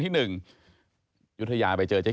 มีความว่ายังไง